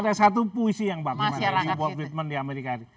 ada satu puisi yang bagi mbak rata di amerika